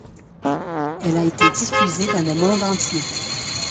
Elle a été diffusée dans le monde entier.